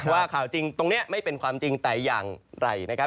ว่าข่าวจริงตรงนี้ไม่เป็นความจริงแต่อย่างไรนะครับ